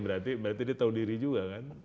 berarti dia tahu diri juga kan